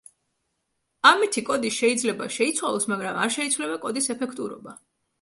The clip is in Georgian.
ამითი კოდი შეიძლება შეიცვალოს, მაგრამ არ შეიცვლება კოდის ეფექტურობა.